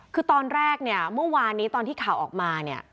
คือตอนแรกเนี่ยเมื่อวานนี้ตอนที่ข่าวออกมาเนี่ย